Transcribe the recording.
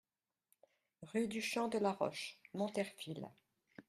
Rue du Champ de la Roche, Monterfil